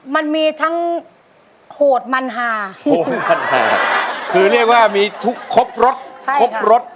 มันมีทั้งโหดมันหาโหดมันหาคือเรียกว่ามีทุกครบรสครบรส